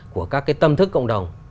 của các cái tâm thức cộng đồng